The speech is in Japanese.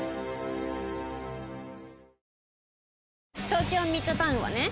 東京ミッドタウンはね